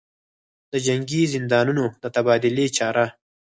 دجنګي زندانیانودتبادلې چاره